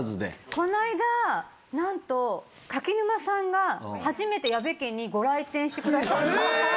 この間何と柿沼さんが初めてＹＡＢＥＫＥにご来店してくださって。